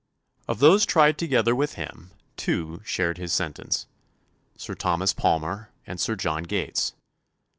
Of those tried together with him, two shared his sentence Sir Thomas Palmer and Sir John Gates.